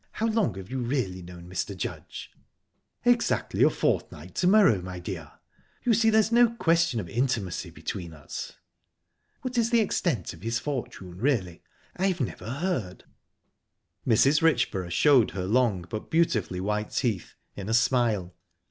How long have you really known Mr. Judge?" "Exactly a fortnight to morrow, my dear. You see, there's no question of intimacy between us." "What is the extent of his fortune, really? I've never heard." Mrs. Richborough showed her long, but beautifully white teeth, in a smile.